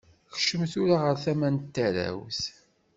Kcem tura ɣer tama n tarawt.